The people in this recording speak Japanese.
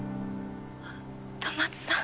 あっ戸松さん。